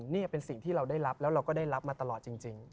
นี่เป็นสิ่งที่เราได้รับแล้วเราก็ได้รับมาตลอดจริง